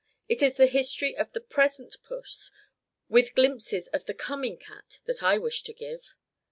It is the history of the present puss, with glimpses of the coming cat, that I wish to give."